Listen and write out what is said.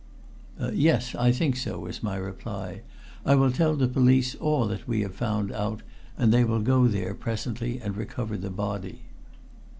"Yes, I think so," was my reply. "I will tell the police all that we have found out, and they will go there presently and recover the body."